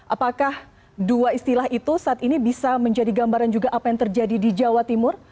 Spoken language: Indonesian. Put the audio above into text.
apakah dua istilah itu saat ini bisa menjadi gambaran juga apa yang terjadi di jawa timur